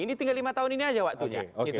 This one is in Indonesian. ini tinggal lima tahun ini aja waktunya